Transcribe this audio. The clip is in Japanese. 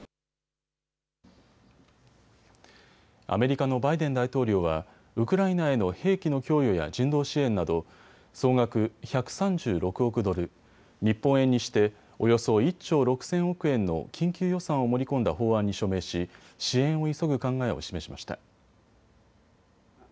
アメリカのバイデン大統領はウクライナへの兵器の供与や人道支援など総額１３６億ドル、日本円にしておよそ１兆６０００億円の緊急予算を盛り込んだ法案に署名し、支援を急ぐ考えを示しました。